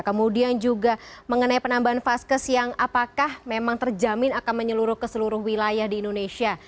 kemudian juga mengenai penambahan vaskes yang apakah memang terjamin akan menyeluruh ke seluruh wilayah di indonesia